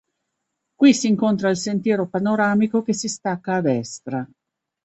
Qui si incontra il sentiero panoramico che si stacca a destra.